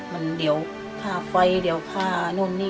มันเดี๋ยวค่าไฟเดี๋ยวค่านู่นนี่